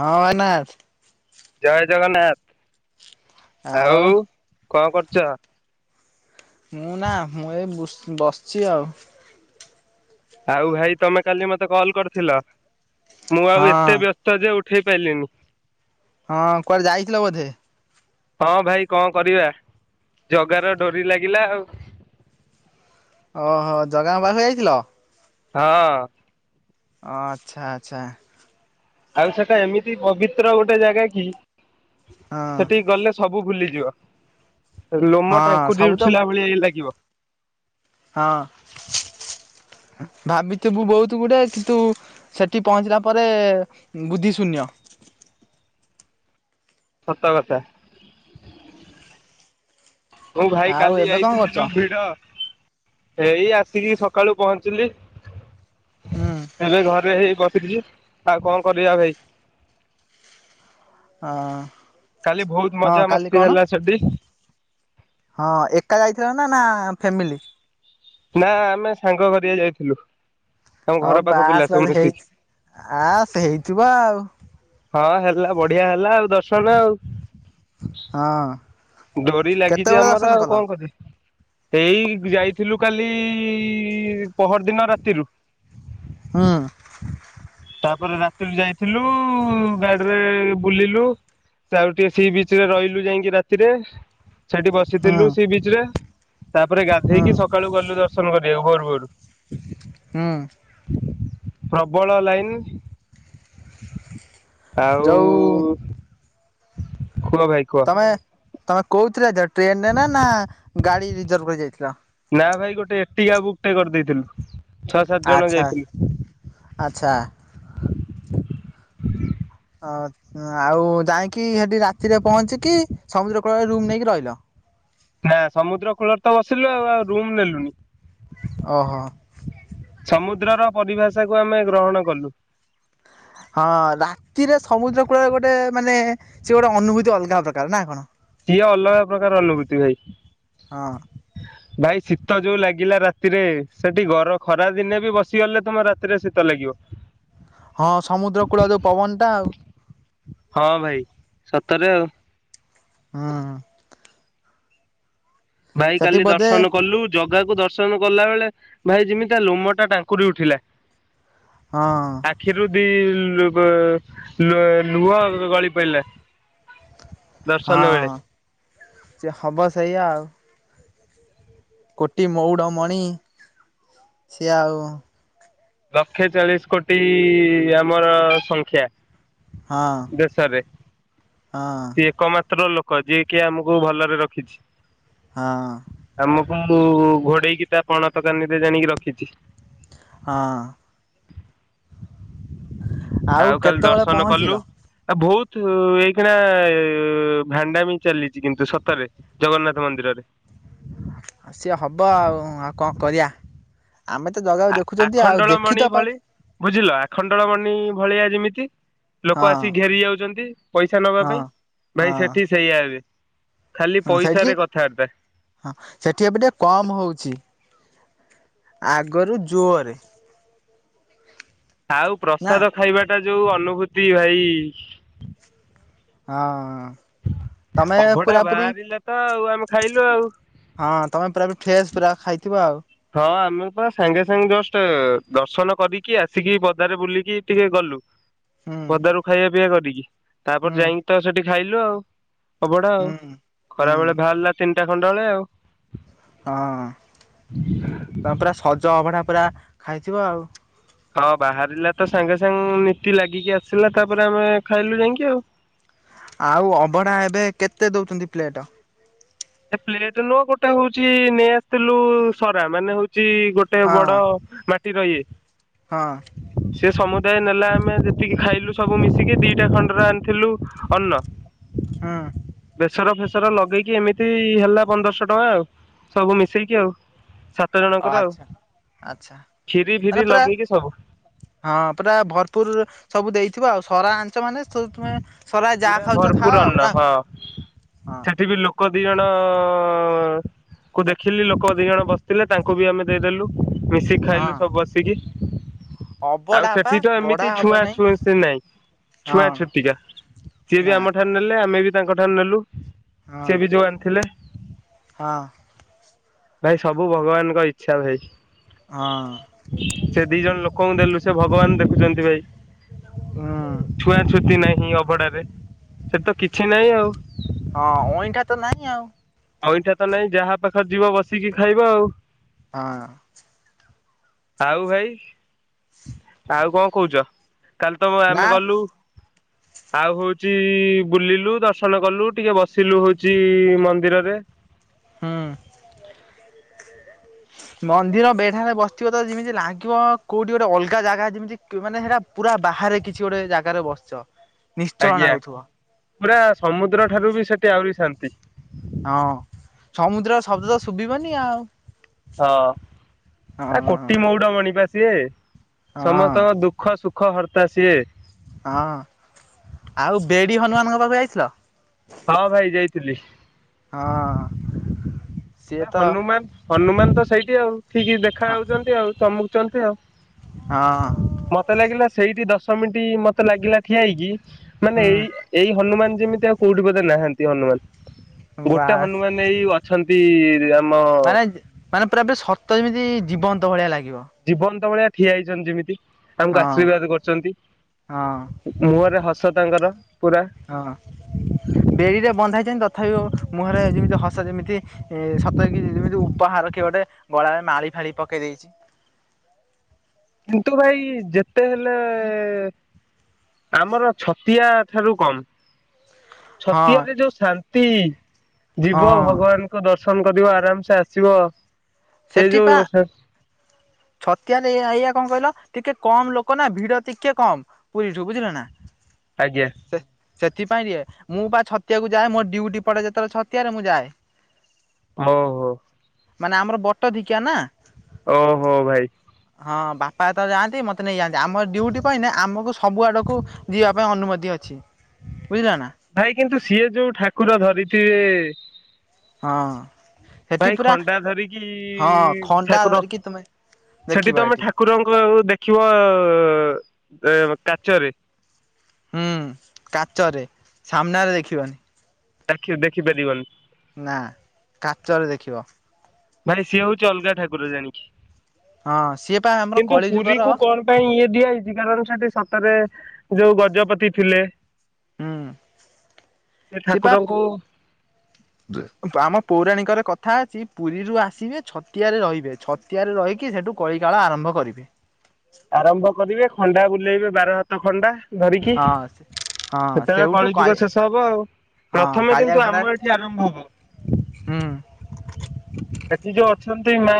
ହଁ ଏନାଥ୍। ଜୟ ଜଗନ୍ନାଥ ଆଉ କଣ କରୁଚ? ମୁଁ ନା ମୁଁ ଏ ବୁସ୍ ବସଛି ଆଉ। ଆଉ ଭାଇ ତମେ କାଲି ମତେ କଲ୍ କରିଥିଲ ମୁଁ ଆଉ ହଁ। ଏତେ ବ୍ୟସ୍ତ। ଯେ ଉଠେଇ ପାଇଲିନି। ହଁ କୁଆଡେ ଯାଇଥିଲ ବୋଧେ? ହଁ ଭାଇ କଣ କରିବା ଜଗାର ଡୋରି ଲାଗିଲା ଆଉ। ଓହୋ ଜଗାଙ୍କ ପାଖକୁ ଯାଇଥିଲ। ହଁ ଆଚ୍ଛା ଆଚ୍ଛା ଆଉ ସେଟା ଏମିତି ପବିତ୍ର ଗୋଟେ ଜାଗା କି ହଁ ସେଠିକି ଗଲେ ସବୁ ଭୁଲିଯିବ ଲୋମ ହଁ ଟାଙ୍କୁରି ସବୁ ତ ଉଠିଲା ଭଳିଆ ଏଇ ଲାଗିବ। ହଁ ଭାବିଥିବୁ ବହୁତ ଗୁଡାଏ କିନ୍ତୁ ସେଠି ପହଞ୍ଚିଲା ପରେ ବୁଦ୍ଧି ଶୂନ୍ୟ। ସତ କଥା। ହଉ ଭାଇ ଆଉ କାଲି ଏବେ କଣ ଯାଇଥିଲି କରୁଛ? ଯୋଉ ଭିଡ଼। ଏଇ ଆସିକି ସକାଳୁ ପହଞ୍ଚିଲି। ହଁ ଏବେ ଘରେ ହେଇ ବସିଛି ଆଉ କଣ କରିବା ଭାଇ। ହଁ କାଲି ବହୁତ ହଁ କାଲି ମଜାମସ୍ତି କଣ ହେଲା ସେଠି। ହଁ ଏକା ଯାଇଥିଲ ନା ନା ଫ୍ୟାମିଲି। ନା ଆମେ ସାଙ୍ଗ କରିଆ ଯାଇଥିଲୁ। ଆମ ଘର ହଉ ପାଖ ପିଲା ବାସ୍ ସବୁ ବାସ୍ ହେଇ ମିଶିକି। ଆସ ହେଇଥିବ ଆଉ। ହଁ ହେଲା ବଢିଆ ହେଲା ଆଉ ଦର୍ଶନ ଆଉ। ହଁ ଡୋରି ଲାଗିଛି କେତେବେଳେ ଆମର ଦର୍ଶନ ଆଉ କଲ? କଣ କରିବା। ଏଇ ଯାଇଥିଲୁ କାଲି ପହର ଦିନ ରାତିରୁ। ହଁ ତାପରେ ରାତିରୁ ଯାଇଥିଲୁ ଗାଡିରେ ବୁଲିଲୁ। ସେ ଆଉ ଟିକେ ସି ବିଚ ରେ ରହିଲୁ ଯାଇକି ରାତିରେ ସେଠି ହୁଁ ବସିଥିଲୁ ସେି ବିଚ ରେ। ତାପରେ ହୁଁ। ଗାଧେଇକି ସକାଳୁ ଗଲୁ ଦର୍ଶନ କରିବା ଭୋର ଭୋରୁ। ହଁ ପ୍ରବଳ ଲାଇନ୍। ଯୋଉ ଆଉ କୁହ ଭାଇ କୁହ। ତମେ କହୁଥିଲ ଯ ଟ୍ରେନ ରେ ନା ନା ଗାଡି ରିଜର୍ଭ କରି ଯାଇଥିଲ। ନା ଭାଇ ଗୋଟେ ଏଟି ଗା ବୁକ୍ ଟେ କରିଦେଇଥିଲୁ ଛଅ ସାତ ଜଣ ଆଛା ଯାଇଥିଲୁ। ଆଛା [inaudible] ହ ଆଉ ଯାଇକି ସେଠି ରାତିରେ ପହଞ୍ଚିକି ସମୁଦ୍ର କୂଳରେ ରୁମ୍ ନେଇକି ରହିଲ। ନା ସମୁଦ୍ର କୂଳରେ ତ ବସିଲୁ ଆଉ ଆଉ ରୁମ ନେଲୁନି। ଓହୋ ସମୁଦ୍ର ର ପରିଭାଷା କୁ ଆମେ ଗ୍ରହଣ କଲୁ। ହଁ ରାତିରେ ସମୁଦ୍ର କୂଳରେ ଗୋଟେ ମାନେ ସେ ଗୋଟେ ଅନୁଭୂତି ଅଲଗା ପ୍ରକାର ନା କଣ? ସିଏ ଅଲଗା ପ୍ରକାର ଅଲଭୁତି ଭାଇ। ହଁ ଭାଇ ଶୀତ ଯୋଉ ଲାଗିଲା ରାତିରେ ସେଠି ଗର ଖରା ଦିନେ ବି ବସିଗଲେ ତମ ରାତିରେ ଶୀତ ଲାଗିବ। [unintelligible] ହଁ ସମୁଦ୍ର କୂଳ ଯୋଉ ପବନ ଟା ଆଉ ହଁ ଭାଇ ସତରେ ଆଉ। ହଁହଁ। ଭାଇ ସେଠି କାଲି ବୋଧେ ଦର୍ଶନ କଲୁ ଜଗାକୁ ଦ ର୍ଶନ କଲା ବେଳେ ଭାଇ ଯେମିତିଆ ଲୋମ ଟା ଟାଙ୍କୁରି ଉଠିଲା। ହଁ। ଆଖିରୁ ଦି ଲୁବ ଲୁଅ ଲୁହ ଗଳି ପଡିଲା। ହଁ ସେ ହବ ସେଇଆ ଆଉ। କୋଟି ମଉଡ ମଣି ସିଏ ଆଉ ଲକ୍ଷେ ଚାଳିସି କୋଟି ଆମର ସଂଖ୍ୟା ହଁ ଦେଶରେ ହଁ ସିଏ ଏକମାତ୍ର ଲୋକ ଯିଏ କିି ଆମକୁ ଭଲରେ ରଖିଛି। ହଁ। ଆମକୁ ଘୋଡେଇକି ତା ପଣତ କାନିରେ ଜାଣିକି ରଖିଛି। ହଁ। ଆଉ କାଲି କେତେବେଳେ ଦର୍ଶନ କଲୁ ପହଞ୍ଚିଲ? ଆଉ ବହୁତ ତୁ ଏଇ କିଣା ଭାଣ୍ଡାବି ଚାଲିଛି କିନ୍ତୁ ସତରେ ଜଗନ୍ନାଥ ମନ୍ଦିରରେ। ଆଉ ସିଏ ହବ ଆଉ ଆଉ କଣ କରିଆ। ଆମେ ତ ଆ ଜଗାକୁ ଦେଖୁଛନ୍ତି ଆଉ ଆଖଣ୍ଡଳ ଦେଖି ମଣି ତ ପାଇଁ ଭଳି ବୁଝିଲ ଆଖଣ୍ଡଳ ମଣିି ଭଳିଆ ଯେମିତି ଲୋକ ହଁ ଆସିିକି ଘେରି ଯାଉଛନ୍ତି ପଇସା ନେବା ହଁ ପାଇଁ ଭାଇ ହଁ ସେଠି ସେଇଆ ଏବେ ଖାଲି ହଁ ସେଇଠି ପଇସାରେ କଥାବାର୍ତ୍ତା। ହଁ, ସେଠି ଏବେ ଟିକେ କମ ହଉଛି। ଆଗରୁ ଜୋରରେ ଆଉ ନା ପ୍ରସାଦ ଖାଇବା ଟା ଯୋଉ ଅନୁଭୂତି ଭାଇ ହଁ। ତମେ ଅଭଡା ପୁରାପୁରି ବାହାରିଲା ତ ଆଉ ଆମେ ଖାଇଲୁ ଆଉ। ହଁ, ତମେ ପୁରା ପୁରି ଫ୍ରେଶ ପୁରା ଖାଇଥିବ ଆଉ। ହଁ ଆମେ ତ ସାଙ୍ଗେ ସାଙ୍ଗେ ଜଷ୍ଟ ଦର୍ଶନ କରିକି ଆସିକି ପଦାରେ ବୁଲିକି ଟିକେ ଗଲୁ ହୁଁ ପଦାରୁ ଖାଇବା ପିଇବା କରିକି ତାପରେ ହୁଁ ଯାଇକି ତ ସେଠି ଖାଇଲୁ ଆଉ। ଅଭଡ଼ା ହୁଁ ଆଉ, ହୁଁ ଖରାବେଳେ ବାହାରିଲା ତିନିଟା ଖଣ୍ଡେ ବେଳେ ଆଉ। ହଁ ତମେ ପୁରା ସଜ ଅଭଢା ପୁରା ଖାଇଥିବ ଆଉ। ହଁ ବାହାରିଲା ତ ସାଙ୍ଗେ ସାଙ୍ଗେ ନୀତି ଲାଗିକି ଆସିଲା ତାପରେ ଆମେ ଖାଇଲୁ ଯାଇକି ଆଉ। ଆଉ ଅଭଢ଼ା ଏବେ କେତେ ଦଉଛନ୍ତି ପ୍ଲେଟ୍? ଏ ପ୍ଲେଟ ନୁହ ଗୋଟେ ହଉଛି ନେଇ ଆସିଥିଲୁ ସରା ମାନେ ହଉଛି ଗୋ ଟେ ହଁ ବଡ ମାଟି ର ଇଏ ହଁ ସେ ସମୁଦାୟ ନେଲା ଆମେ ଯେତିକି ଖାଇଲୁ ସବୁ ମିଶିକି ଦିଟା ଖଣ୍ଡରେ ଆଣିଥିଲୁ ଅନ୍ନ। ହଁ। ବେସର ଫେସର ଲଗେଇକି ଏମି ହେଲା ପନ୍ଦରଶହ ଟଙ୍କା ଆଉ ସବୁ ମିଶେଇିକି ଆଉ ସାତ ଜଣଙ୍କର ଆଉ ଆଚ୍ଛା। ଆଚ୍ଛା ଖିରି ମାନେ ଫିରି ପୁରା ଲଗେଇକି ସବୁ। ହଁ, ପୁରା ଭରପୁର ସବୁ ଦେଇଥିବ ଆଉ। ସରା ଆଣିଚ ମାନେ। [unintelligible] ପୁରା ଖାଉଛ ଖାଅ ଭରପୁର ଆଉ ଅନ୍ନ ନା ହଁ। କଣ? ହଁ ସେଠି ବି ଲୋ ଲୋକ ଦି ଜଣ ଙ୍କୁ ଦେଖିଲି, ଲୋକ ଦି ଜଣ ବସିଥିଲେ ତାଙ୍କୁ ବି ଆମେ ଦେଇଦେଲୁ। ମିଶିକି ହଁ ଖାଇଲୁ ସବୁ ବସିକି। ଆଉ ଅବଢା ପା ସେଠି ତ ବଢା ଏମିତି ହବ ଛୁଆଁ ନାହିଁ ଛୁଇଁ ସେ ନାଇଁ। ଛୁଆଁ ହଁ ଛୁତିକା। ସିଏ ବି ନା ଆମ ଠାରୁ ନେଲେ, ଆମେ ବି ତାଙ୍କ ଠାରୁ ନେଲୁ। ହଁ ସିଏ ବି ଯୋଉ ଆଣିଥିଲେ। ହଁ ଭାଇ ସବୁ ଭଗବାନଙ୍କ ଇଚ୍ଛା ଭାଇ। ହଁ। ସେ ଦି ଜଣ ଲୋକଙ୍କୁ ଦେଲୁ ସେ ଭଗବାନ ଦେଖୁଛନ୍ତି ଭାଇ। ହୁଁ ଛୁଆଁ ଛୁତି ନାହିଁ ଅଭଡାରେ। ସେଠି ତ କିଛି ନାହିଁ ଆଉ। ହଁ। ଅଇଁଠା ତ ନାଇଁ ଆଉ। ଅଇଁଠା ତ ନାହିଁ, ଯାହା ପାଖରେ ଯିବ ବସିକି ଖାଇବ ଆଉ। ହଁ। ଆଉ ଭାଇ, ଆଉ କଣ କହୁଚ? କାଲି ତ ନା ଆମେ ଗଲୁ ଆଉ ହଉଚି ବୁଲିଲୁ ଦର୍ଶନ କଲୁ, ଟିକେ ବସିଲୁ ହଉଚି ମନ୍ଦିରରେ। ହୁଁ। [unintelligible] ମନ୍ଦିର ବେଢାରେ ବସିଥିବ ତ ଯେମିତି ଲାଗିବ କୋଉଠି ଗୋଟେ ଅଲଗା ଜାଗା ଯେମିତି ମାନେ ହେରା ପୁରା ବାହାରେ କିଛି ଗୋଟେ ଜାଗାରେ ବସିଚ। ଆଜ୍ଞା। ପୁରା ସମୁଦ୍ର ଠାରୁ ବି ସେଠି ଆହୁରି ଶାନ୍ତି। ହଁ। ସମୁଦ୍ର ଶବ୍ଦ ତ ଶୁଭିବନି ଆଉ। ହଁ। ଆ ହଁ। କୋଟି ମଉଡମଣି ବା ସିଏ। ହଁ ସମସ୍ତଙ୍କ ଦୁଃ ଖ ସୁଖ ହର୍ତା ସିଏ। ହଁ। ଆଉ ବେଡି ହନୁମାନଙ୍କ ପାଖକୁ ଯାଇଥିଲ? ହଁ ଭାଇ ଯାଇଥିଲି। ହଁ। ସିଏ ନା ତ ହନୁମାନ ହନୁମାନ ତ ସେଇଠି ଆଉ ଠିକ୍ ହଁ ଦେଖାଯାଉଛନ୍ତି ଆଉ ଚମକୁଛନ୍ତି ଆଉ। ହଁ। ମତେ ଲାଗିଲା ସେଇଠି ଦଶ ମିନିଟ୍ ମତେ ଲାଗିଲା ଠିଆ ହେଇକି ମାନେ ହୁଁ ଏଇ ଏଇ ହନୁମାନ ଯେମିତି ଆଉ କୋଉଠି ବୋଧେ ନାହାନ୍ତି ହନୁମାନ। ଗୋଟେ ବାସ୍ ହନୁମାନ ଏଇ ଅଛନ୍ତି ଆମ ମାନେ ମାନେ ପୁରା ପୁରି ସତ ଯେମିତି ଜୀବନ୍ତ ଭଳିଆ ଲାଗିବ। ଜୀବନ୍ତ ତ ଭଳିଆ ଠିଆ ହେଇଛନ୍ତି ଯେମିତି। ଆମକୁ ହଁ ଆଶୀର୍ବାଦ କରୁଛନ୍ତି। ହଁ ମୁହଁରେ ହସ ତାଙ୍କର ପୁରା। ହଁ। ବେଡିରେ ବନ୍ଧା ହେଇଛନ୍ତି ତଥାପି ମୁହଁରେ ଯେମିତି ହସ ଯେମିତି ଏ ସତରେ କି ଯେମିତି ଉପହାର କିଏ ଗୋଟେ ଗଳାରେ ମାଳି ଫାଳି ପକେଇ ଦେଇଚି। କିନ୍ତୁ ଭାଇ ଯେତେ ହେଲେ ଆମର ଛତିଆ ଠାରୁ କମ୍। ହଁ ଛତିଆରେ ଯୋଉ ଶାନ୍ତି, ଜୀବ ହଁ ଭଗବାନ ଦର୍ଶନ କରିବ ଆରାମସେ ଆସିବ। ସେ ସେଠି ପା [inaudible] ଛତିଆରେ ଏଆ -ଏଇଆ କଣ୍ କହିଲ ଟିକେ କମ୍ ଲୋକ ନା ଭିଡ ଟିକେ କମ୍। [unintelligible] ଆଜ୍ଞା। ସେ- ସେଥିପାଇଁ ଇଏ ମୁଁ ପା ଛତିଆକୁ ଯାଏ ମୋ ଡ୍ୟୁଟି ପଡେ ଯେତେବେଳେ ଛତିଆରେ ମୁଁ ଯାଏ। ଓହୋ। ମାନେ ଆମର ବଟଦିକ୍ଷା ନା। ଓହୋ ଭାଇ। ହଁ ବାପା ଯେତେବଳେ ଯାଆନ୍ତି ମତେ ନେଇଯାଆନ୍ତି ଆମର ଡ୍ୟୁଟି ପଇଲେ ଆମକୁ ସବୁ ଆଡକୁ ଯିବା ପାଇଁ ଅନୁମତି ଅଛି ବୁଝିଲ ନା। ଭାଇ କିନ୍ତୁ ସିଏ ଯଉ ଠାକୁର ଧରିଚି ହଁ। ସେଠି ଭାଇ ପୁରା ଖଣ୍ଡା ଧରିକି ହଁ ଖଣ୍ଡା ଠାକୁର ଧରିକି ତୁମେ ସେଠି ଦେଖିବ ତମେ ଏଠି ଠା ଠାକୁରଙ୍କୁ ଆଉ ଦେଖିବ ଆଉ ଏ-କାଚରେ ହୁଁ କାଚରେ ସାମ୍ନାରେ ଦେଖିବାନି। ଆଖିରେ ଦେଖିପାରିବନି। ନା କାଚରେ ଦେଖିବ। ଭାଇ ସିଏ ହଉଚି ଅଲଗା ଠାକୁର ଜାଣିକି। ହଁ ସିଏ ପା ଆମର କିନ୍ତୁ କଳି ପୁରୀ ଯୁଗର [unintelligible] ଇଏ ଦିଆ ହେଇଚି କାରଣ ସେଠି ସତରେ ଯଉ ଗଜପତି ଥିଲେ ହୁଁ- ସେ ସିଏ ପା ପୁ ଠାକୁରଙ୍କୁ ଆମ ପୌରାଣିକରେ କଥା ଅଛି ପୁରୀରୁ ଆସିବେ ଛତିଆରେ ରହିବେ ଛତ୍ ଛତିଆ ରେ ରହିକି ସେଠୁ କଳି କାଳ ଆରମ୍ଭ କରିବେ। ଆରମ୍ଭ କରିବେ ଖଣ୍ଡା ବୁଲେଇବେ ବାର ହାତ ଖଣ୍ଡା। ଧରିକି ହଁ ହଁ ସେତେବେଳେ ସେଉଠୁ କାଳି କଳିଯୁଗ ଶେଷ ହବ ଆଉ। ହଁ ପ୍ରଥମେ କାଳିଆ କିନ୍ତୁ ଘୋଡା ଆମ ଏଠି ଆରମ୍ଭ ହବ। ହୁଁ। ଏଠି ଯଉ ଅଛନ୍ତି ମା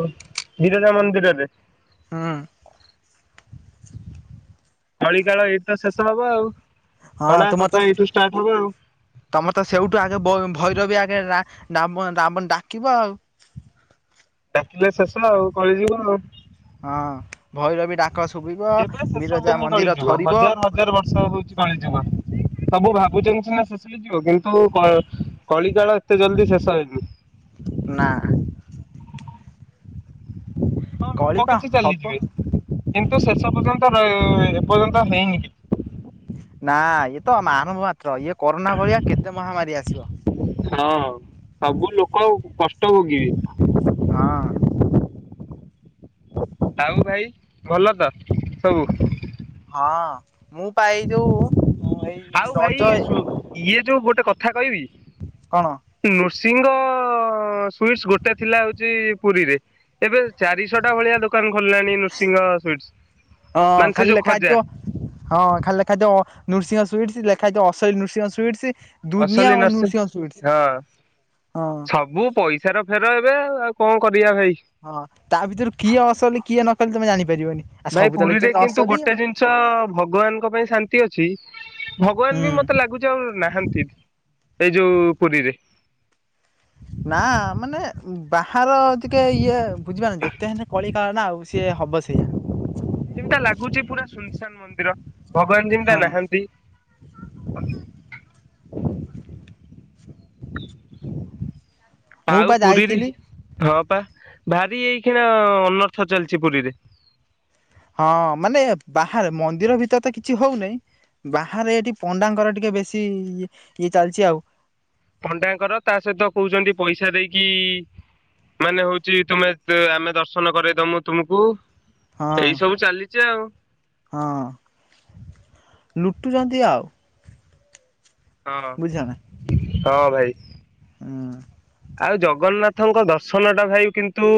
ବିରଜା ମନ୍ଦିରରେ ହଁ। କଳିକାଳ ଏଇଠି ତ ଶେଷ ହବ ଆଉ। ହଁ ହଣା ତୁମର କଠା ତ ଏଇଠୁ ଷ୍ଟାର୍ଟ ହବ ଆଉ ତମେ ତ ସେଉଠୁ ଆଗେ ବ- ଭୈରବି ଆଗେ ରା-ରାମ-ରାମ ଡାକିବ ଆଉ। [inaudible] ହେଲେ ଶେଷ ଆଉ କଳିଯୁଗ ଆଉ। ହଁ ଭୈରବି ଡାକ ଶୁଭିବ କେବେ ବିରଜା ମନ୍ଦିର ଥରିବ ହ-ହଉଚି କଳିଯୁଗ। ସବୁ ଭାବୁଚନ୍ତି ସିନା ଶେଷ ହେଇଯିବ କିନ୍ତୁ କ-କଳି କାଳ ଏତେ ଜଲ୍ଦି ଶେଷ ହେଇନି। ନା। ହଁ ଲୋକ କଳିପା କିଛି ହବ ଚାଲିଯିବେ କିନ୍ତୁ ଶେଷ ପର୍ଯ୍ୟନ୍ତ ର- ଏପର୍ଯ୍ୟନ୍ତ ହେଇନି କି ନା ଇଏ ତ ଆ- ଆରମ୍ଭ ମାତ୍ର ଇଏ କରୋନା ଭଳିଆ କେତେ ମହାମାରୀ ଆସିବ। ହଁ ସବୁ ଲୋକ ଉ-କଷ୍ଟ ଭୋଗିବେ। ହଁ। ଆଉ ଭାଇ ଭଲ ତ ସବୁ? ହଁ ମୁଁ ପା ଏଇ ଯଉ ମୁଁ ଏଇ ଆଉ ଭାଇ ରଜ ସୁ- ଇଏ ଯଉ ଗୋଟେ କଥା କହିବି? କଣ ନୃସିଂହ ସୁଇଟ୍ସ୍ ଗୋଟେ ଥିଲା ହେଉଛି ପୁରୀରେ, ଏବେ ଚାରିଶହଟା ଭଳିଆ ଦୋକ ଦୋକାନ ଖୋଲିଲାଣି ନୃସିଂହ ସୁଇଟ୍, ହଁ ସ ମାନେ ସେ ଖାଲି ଯୋଉ ଲେଖା ଖଜା। ହେଇଥିବ ହଁ, ଖାଲି ଲେଖା ହେଇଥିବ, ଅ ନୃସିଂହ ସୁଇଟ୍ସ, ଲେଖା ହେଇଥିବ ଅସଲି ନୃସିଂହ ସୁଇଟ୍ସ ଦୁନିଆ ଅସଲି ନର୍ସି ନୃସିଂହ ସୁଇଟ୍ସ ହଁ, ହଁ ସବୁ ପଇ ସାର ଫେର ଏବେ ଆଉ। ଆଉ କଣ କରିବା ଭାଇ? ହଁ, ତା ଭିତରୁ କିଏ ଅସଲି, କିଏ ନକଲି, ତମେ ଜାଣିପାରିବନି। ଆଉ ଭାଇ ସବୁ ତ ପୁରୀରେ ଲେଖିଛନ୍ତି କିନ୍ତୁ ଅସଲି ଗୋଟେ ଆଉ ଜିନିଷ ଭଗବାନଙ୍କ ପାଇଁ ଶାନ୍ତି ଅଛି ହୁଁ ଭଗବାନ ବି ମତେ ଲାଗୁଛି ଆଉ ନାହାଁନ୍ତି, ଏଇ ଯୋଉ ପୁରୀରେ। ନା ମାନେ ବାହାର ଟିକେ ଇଏ ବୁଝିପାରୁନ, ଯେତେ ହେଲେ କଳି କାଳ ନା ଆଉ। ସିଏ ହବ ସେଇଆ। ଯେମତା ଲାଗୁଛି, ପୁରା ସୁନସାନ ମନ୍ଦିର। ଭଗବାନ ଯେମିତା ହଁ, ହଁ। ନାହାନ୍ତି। [inaudible] ଆଉ ପୁରୀରେ, ହଁ ପା ଭାରି ଏଇଖିଣା ଅନର୍ଥ ଚାଲିଛି ପୁରୀରେ। ହଁ ମାନେ ବାହାରେ, ମନ୍ଦିର ଭିତରେ ତ କିଛି ହଉନେଇ ବାହାରେ ଏଠି ପଣ୍ଡାଙ୍କର ଟିକେ ବେଶୀ ଇଏ ଚାଲିଛି ଆଉ। ପଣ୍ଡାଙ୍କର, ତା ସହିତ କହୁଛନ୍ତି ପଇସା ଦେଇକି ମାନେ ହଉଛି, ତୁମେ ଆମେ ଦର୍ଶନ କରେଇଦମୁ ତୁମକୁ। ହଁ ଏଇ ସବୁ ଚାଲିଛି ଆଉ। ହଁ, ଲୁଟୁଛନ୍ତି ଆଉ। ହଁ। ବୁଝିଲ ନା ତ ଭାଇ। ହୁଁ ଆଉ ଜଗନ୍ନାଥଙ୍କ ଦର୍ଶନଟା ଭାଇ କିନ୍ତୁ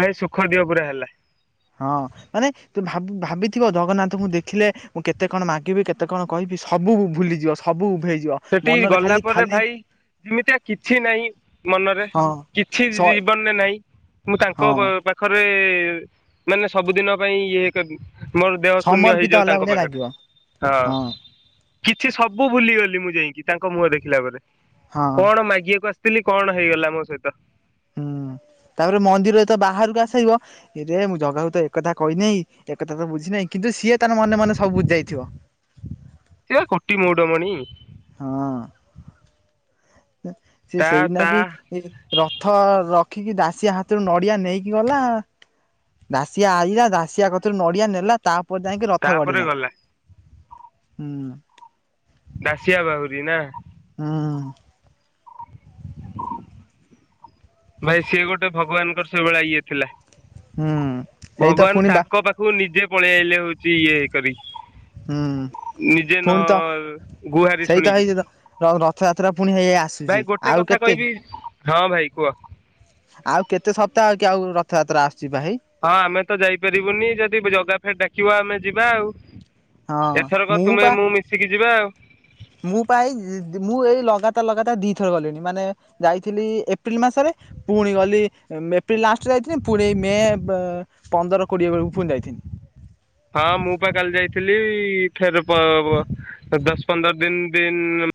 ଭାଇ ସୁଖ ଦିଅ ପୁରା ହେଲା। ହଁ। ମାନେ ତୁ ଭାବ-ଭାବିଥିବ, ଜଗନ୍ନାଥଙ୍କୁ ଦେଖିଲେ ମୁଁ କେତେ କଣ ମାଗିବି, କେତେ କଣ କହିବି, ସବୁ ଭୁ-ଭୁଲିଯିବ, ସବୁ ଉଭେଇ ସେଠିକି ଗଲା ପରେ ଭାଇ ଯେମିତିଆ କିଛି ନାହିଁ ମନରେ, ହଁ କିଛି ସ ଜୀ-ଜୀବନରେ ନାହିଁ। ମୁଁ ତାଙ୍କ ହଁ ପା-ପାଖରେ ମାନେ ସବୁଦିନ ପାଇଁ ଇଏ କରି ମୋର ଦେହ ଶୂନ୍ୟ ସମର୍ପିତ ହେଇଯାଉ ହେଲା ତାଙ୍କ ଭଳିଆ ପାଖରେ। ଲାଗିବ ହଁ। କିଛି ସବୁ ଭୁଲିଗଲି ମୁଁ ଯାଇଁକି ତାଙ୍କ ମୁହଁ ଦେଖିଲା ପରେ। ହଁ। କଣ ମାଗିିବାକୁ ଆସି ସିଥିଲି, କଣ ହେଇଗଲା ମୋ ସହିତ? ହୁଁ ତାପରେ ମନ୍ଦିର ଯେତ ବାହାରକୁ ଆସେଇବ ଇରେ ମୁଁ ଜଗାକୁ ତ ଏକ କଥା କହିନାହିଁ, ଏକଥା ତ ବୁଝି ନାହିଁ, କିନ୍ତୁ ସିଏ ତାର ମନେ ମନେ ସବୁ ବୁଝି ଯାଇଥିବ। ସିଏ ବା କୋଟି ମଉଡମଣି। ହଁ। ସିଏ-ସିଏ ତା ତା ସେଇନାଗି ସିଏ ରଥ ରଖିକି ଦାସିଆ ହାତରୁ ନଡିଆ ନେଇକି ଗଲା ଦାସିଆ ଆଇଲା, ଦାସିଆ କତୁରୁ ନଡିଆ ନେଲା, ତା ପରେ ଯାଇଁକି ରଥ ତାପରେ ଗଡ଼ିଲା, ଗଲା ହୁଁ। ଦାସିଆ ବାଉରି ନା? ହୁଁ। ଭାଇ ସିଏ ଗୋଟେ ଭଗବାନଙ୍କର ସେଇଭଳିଆ ଇଏ ଥିଲା। ହୁଁ। ସେଇ ତ ଭଗବାନ ପୁଣି ବା ତାଙ୍କ ପାଖକୁ ନିଜେ ପଳେଇ ଆଇଲେ ହଉଛି ଛି ଇଏ କରିକି। ହୁଁ ନିଜେ ନ ପୁଣି ତ ଗୁହାରି ଶୁଣିକି। ର ରଥଯାତ୍ରା ପୁଣି ହେଇ ହେଇ ଆସ ଭାଇ ଗୋଟେ କଥା କହିବି ହଁ ଭାଇ କୁହ। ଆଉ କେତେ ସପ୍ତାହ କି ଆଉ ରଥଯାତ୍ରା ଆସୁଛି ଭାଇ? ହଁ ଆମେ ତ ଯାଇପାରିବୁନି ଯଦି ଜଗା ଫେ ଡାକିବା ଆମେ ଯିବା ଆଉ। ହଁ ଏଥରକ ତୁମେ ମୁଁ ମିଶିକି ଯିବା ଆଉ। ମୁଁ ପା ଏଇ ମୁଁ ଏଇ ଲଗାତାର ଲଗାତାର ଦିଥର ଗଲିଣି ମାନେ ଯାଇଥିଲି ଏପ୍ରିଲ ମାସରେ ପୁଣି ଗଲି ଏପ୍ରିଲ ଲାଷ୍ଟରେ ଯାଇଥିଲି ପୁଣି ମେ ପନ୍ଦର କୋଡିଏ ବେଳକୁ ଫୁଣି ଯାଇଥିନି। ହଁ ମୁଁ ପା କାଲି ଯାଇଥିଲି ଫେର୍ ବ ଦଶ ପନ୍ଦର ଦିନ୍ ଦିନ୍